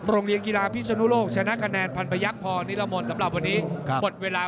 โรงเรียนกีฬาพิศนุโลกชนะคะแนนพันพยักษ์พอนิรมนต์สำหรับวันนี้หมดเวลา